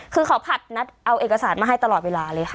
คือเขาผัดนัดเอาเอกสารมาให้ตลอดเวลาเลยค่ะ